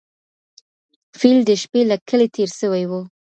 فیل د شپې له کلي تېر سوی و.